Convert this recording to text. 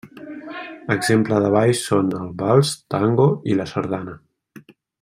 Exemple de ball són el vals, tango, i la sardana.